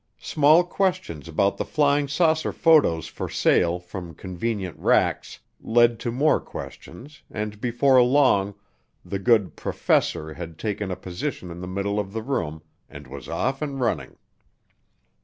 Small questions about the flying saucer photos for sale from convenient racks led to more questions and before long the good "professor" had taken a position in the middle of the room and was off and running.